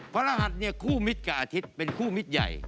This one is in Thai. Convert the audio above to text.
พระรหัสเนี่ยคู่มิตรกับอาทิตย์เป็นคู่มิตรใหญ่